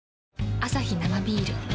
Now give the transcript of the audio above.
アサヒ生ビール